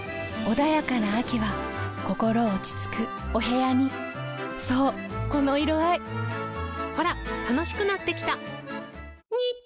穏やかな秋は心落ち着くお部屋にそうこの色合いほら楽しくなってきた！